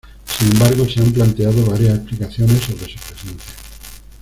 Sin embargo, se han planteado varias explicaciones sobre su presencia.